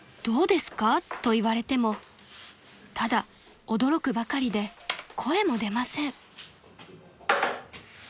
［どうですか？と言われてもただ驚くばかりで声も出ません］